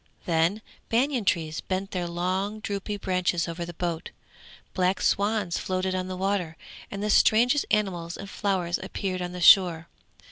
Then banian trees bent their long drooping branches over the boat, black swans floated on the water, and the strangest animals and flowers appeared on the shore.